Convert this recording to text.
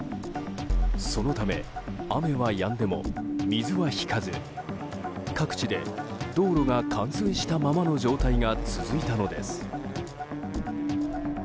そのため雨はやんでも水は引かず各地で道路が冠水したままの状態が続いたのです。